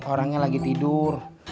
orangnya lagi tidur